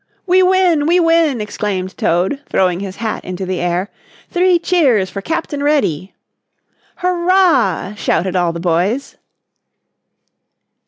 "We win, we win!" exclaimed Toad, throwing his hat into the air. "Three cheers for Captain Reddy!" "Hurrah!" shouted all the boys.